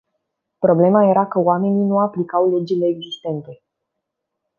Problema era că oamenii nu aplicau legile existente.